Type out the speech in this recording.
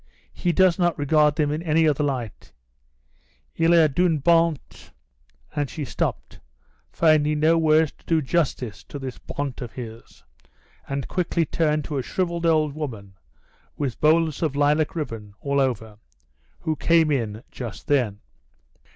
He does not regard them in any other light. _Il est d'une bonte _" and she stopped, finding no words to do justice to this bonte of his, and quickly turned to a shrivelled old woman with bows of lilac ribbon all over, who came in just then.